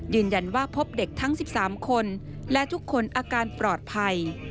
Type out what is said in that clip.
พบว่าพบเด็กทั้ง๑๓คนและทุกคนอาการปลอดภัย